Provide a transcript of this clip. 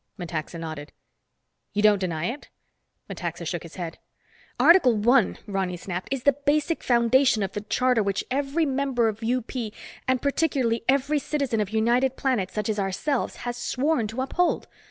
Metaxa nodded. "You don't deny it?" Metaxa shook his head. "Article One," Ronny snapped, "is the basic foundation of the Charter which every member of UP and particularly every citizen of United Planets, such as ourselves, has sworn to uphold.